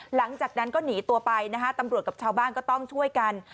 หลังจากนั้นก็หนีตัวไปนะฮะตำรวจกับชาวบ้านก็ต้องช่วยกัน